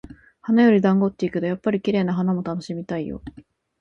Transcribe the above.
「花より団子」って言うけど、やっぱり綺麗な花も楽しみたいよ。